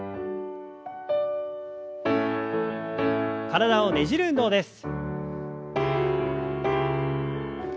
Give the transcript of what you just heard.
体をねじる運動です。